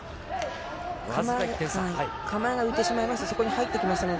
構えが浮いてしまいますと、そこに入ってきますので。